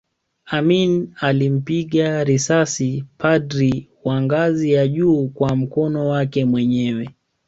Amin alimpiga risasi padri wa ngazi ya juu kwa mkono wake mwenyewe